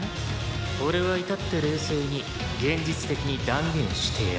「俺は至って冷静に現実的に断言してやる」